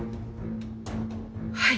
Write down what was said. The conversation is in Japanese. はい。